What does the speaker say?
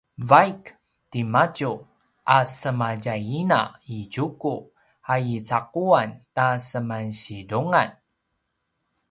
vaik timadju a sema tjay ina i Tjuku a icaquan ta seman situngan